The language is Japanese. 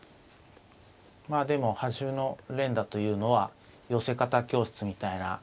まあでも端歩の連打というのは寄せ方教室みたいな。